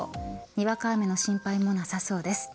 にわか雨の心配もなさそうです。